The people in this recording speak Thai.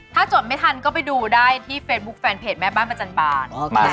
ถ้าจดไม่ทันก็ไปดูได้ที่เฟซบุ๊คแฟนเพจแม่บ้านประจันบาล